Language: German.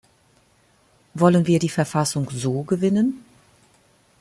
Wollen wir die Verfassung so gewinnen?